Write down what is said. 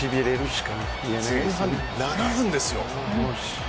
前半７分ですよ。